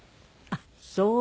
あっそう。